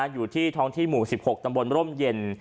อยู่ที่ท้องที่หมู่๑๖ตำบลร่มเย็น